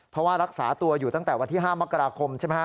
เพราะว่ารักษาตัวอยู่ตั้งแต่วันที่๕มกราคมใช่ไหมฮะ